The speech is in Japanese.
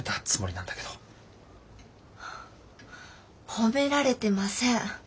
褒められてません。